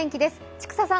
千種さん